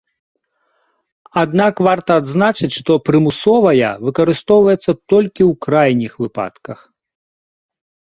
Аднак варта адзначыць, што прымусовая выкарыстоўваецца толькі ў крайніх выпадак.